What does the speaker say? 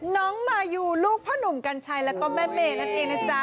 น้องมายูลูกพ่อหนุ่มกัญชัยแล้วก็แม่เมย์นั่นเองนะจ๊ะ